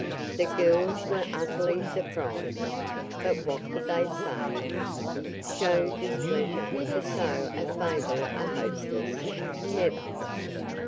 The girls were utterly surprised, but what could they say? Show displeasure to so affable a hostess? Never!